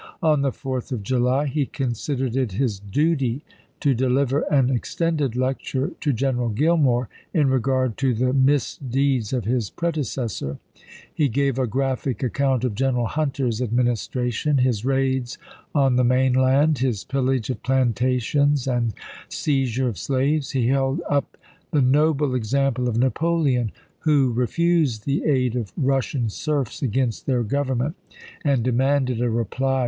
On the 4th of July he considered it his " duty " to deliver an extended lecture to General Gillmore in regard to the misdeeds of his predecessor ; he gave a graphic account of General Hunter's administration, his raids on the mainland, his pillage of plantations and seizure of slaves ; he held up the noble example of Napoleon, who refused the aid of Eussian serfs gariirto against their government; and demanded a reply jSy^iS.